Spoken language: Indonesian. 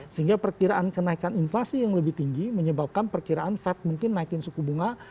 sehingga perkiraan kenaikan inflasi yang lebih tinggi menyebabkan perkiraan fed mungkin naikin suku bunga